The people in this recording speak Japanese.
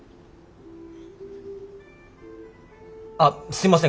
あっすいません